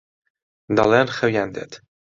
دەڵێن خەویان دێت.